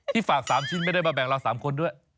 ฝาก๓ชิ้นไม่ได้มาแบ่งเรา๓คนด้วย